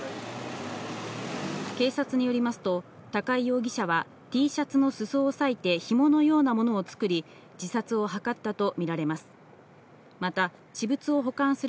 警察によりますと高井容疑者はＴシャツの裾を裂いてひものようなものを作り、自殺を図ったとみられます。